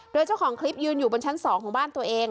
โดยเจ้าของคลิปยืนอยู่บนชั้น๒ของบ้านตัวเอง